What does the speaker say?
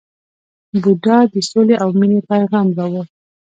بودا د سولې او مینې پیغام راوړ.